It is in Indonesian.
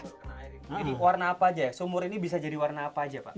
jadi warna apa aja ya sumur ini bisa jadi warna apa aja pak